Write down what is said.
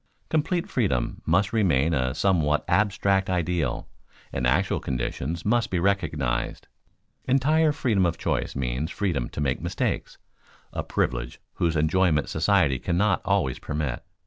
_ Complete freedom must remain a somewhat abstract ideal, and actual conditions must be recognized. Entire freedom of choice means freedom to make mistakes, a privilege whose enjoyment society cannot always permit.